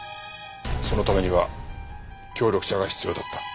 そのためには協力者が必要だった。